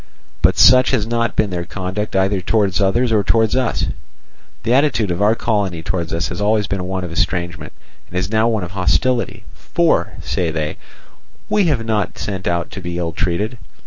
"But such has not been their conduct either towards others or towards us. The attitude of our colony towards us has always been one of estrangement and is now one of hostility; for, say they: 'We were not sent out to be ill treated.